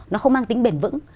nó không mang tính bền vững